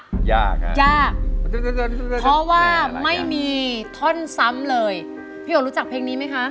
เพราะว่าไม่มีท่อนซ้ำเลยพี่หว่ารู้จักเพลงนี้ไหมคะ